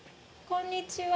こんにちは。